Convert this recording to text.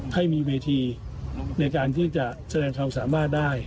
ให้มีเวทีในการที่จะแสดงความสามารถได้